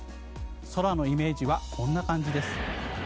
空のイメージはこんな感じです。